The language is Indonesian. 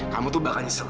kamu tuh bahkan iseng